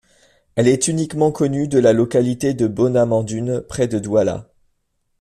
Elle est uniquement connue de la localité de Bonamandune, près de Douala.